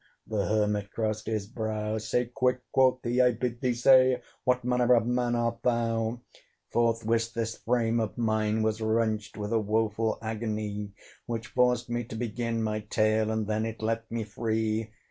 The Hermit crossed his brow. "Say quick," quoth he, "I bid thee say What manner of man art thou?" Forthwith this frame of mine was wrenched With a woeful agony, Which forced me to begin my tale; And then it left me free.